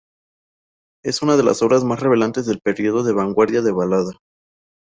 Es una de las obras más relevantes del periodo de vanguardia de Balada.